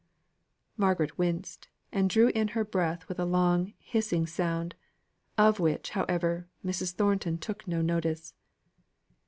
Margaret winced, and drew in her breath with a long, hissing sound; of which, however, Mrs. Thornton took no notice.